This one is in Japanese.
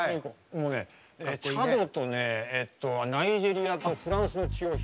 もうねチャドとねナイジェリアとフランスの血を引いてる。